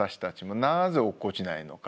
なぜ落っこちないのかがね。